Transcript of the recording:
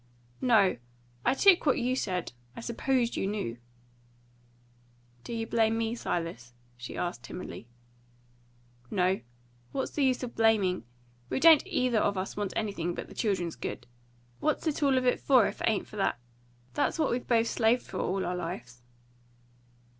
"No. I took what you said. I supposed you knew." "Do you blame me, Silas?" she asked timidly. "No. What's the use of blaming? We don't either of us want anything but the children's good. What's it all of it for, if it ain't for that? That's what we've both slaved for all our lives."